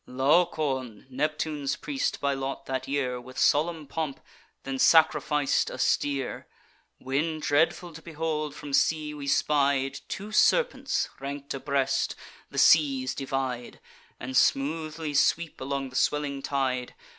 Laocoon, Neptune's priest by lot that year, With solemn pomp then sacrific'd a steer; When, dreadful to behold, from sea we spied Two serpents, rank'd abreast, the seas divide, And smoothly sweep along the swelling tide.